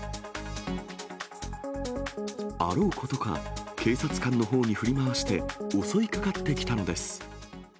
あろうことか、警察官のほうに振り回して、襲いかかってきたのです。